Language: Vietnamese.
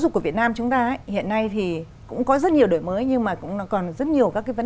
dục của việt nam chúng ta hiện nay thì cũng có rất nhiều đổi mới nhưng mà cũng còn rất nhiều các cái vấn